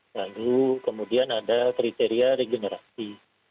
lalu kemudian ada kriteria regenerasi